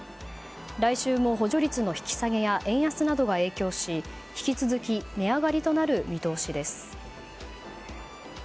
来週も補助率の引き下げや円安などが影響し引き続き値上がりとなる見通しです。